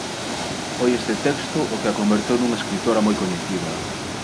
Foi este texto o que a converteu nunha escritora moi coñecida.